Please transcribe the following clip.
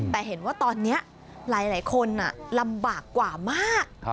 แต่เห็นว่าตอนนี้หลายคนลำบากกว่ามาก